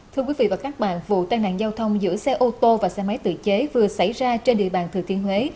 thưa quý vị và các bạn vụ tai nạn giao thông giữa xe ô tô và xe máy tự chế vừa xảy ra trên địa bàn thừa thiên huế